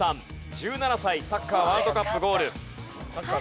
１７歳サッカーワールドカップゴール。